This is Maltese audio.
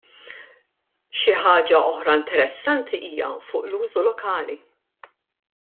Xi ħaġa oħra interessanti hija fuq l-użu lokali.